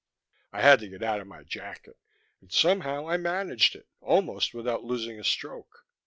I had to get out of my jacket, and somehow I managed it, almost without losing a stroke.